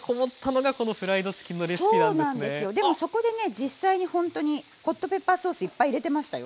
実際にほんとにホットペッパーソースいっぱい入れてましたよ。